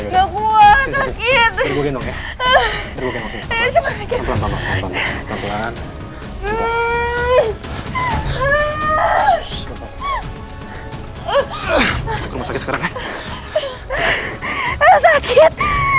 gak kuat sakit